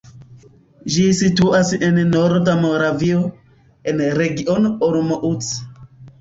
Ĝi situas en norda Moravio, en Regiono Olomouc.